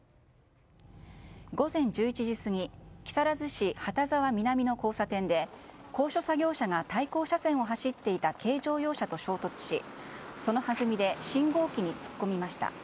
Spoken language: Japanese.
午前１１時過ぎ木更津市畑沢南の交差点で高所作業車が対向車線を走っていた軽乗用車と衝突しそのはずみで信号機に突っ込みました。